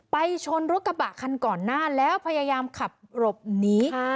ชนรถกระบะคันก่อนหน้าแล้วพยายามขับหลบหนี